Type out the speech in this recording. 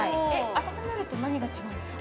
温めると何が違うんですか？